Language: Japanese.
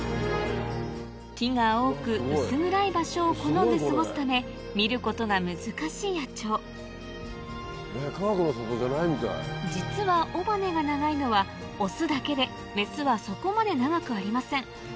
木が多く薄暗い場所を好んで過ごすため見ることが難しい野鳥実はメスはそこまで長くありません